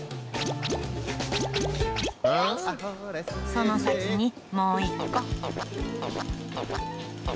その先にもう１個。